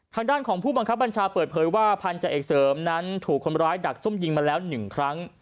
ทางด้านของผู้บังคับบัญชาเปิดเผยว่าพันธาเอกเสริมนั้นถูกคนร้ายดักซุ่มยิงมาแล้ว๑ครั้ง